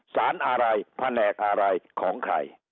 สารอะไรแผนกอะไรของใคร